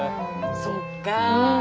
そっか！